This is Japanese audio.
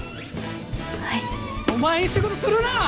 はいお前いい仕事するな！